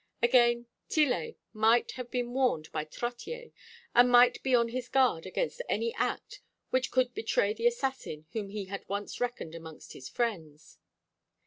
Again, Tillet might have been warned by Trottier, and might be on his guard against any act which could betray the assassin whom he had once reckoned amongst his friends.